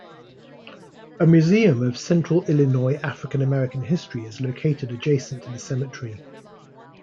A museum of Central Illinois African-American history is located adjacent to the cemetery.